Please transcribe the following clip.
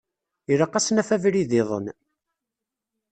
Ilaq ad s-naf abrid-iḍen.